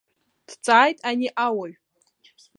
Дҵааит ани ауаҩ.